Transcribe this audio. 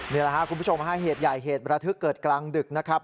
นี่แหละครับคุณผู้ชมฮะเหตุใหญ่เหตุระทึกเกิดกลางดึกนะครับ